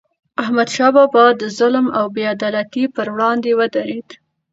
احمد شاه بابا د ظلم او بې عدالتی پر وړاندې ودرید.